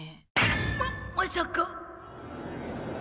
ままさか。